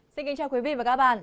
xin kính chào quý vị và các bạn